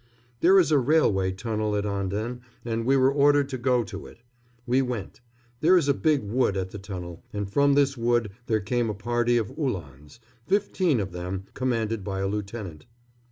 There is a railway tunnel at Anden, and we were ordered to go to it. We went. There is a big wood at the tunnel, and from this wood there came a party of Uhlans, fifteen of them, commanded by a lieutenant.